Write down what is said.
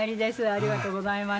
ありがとうございます。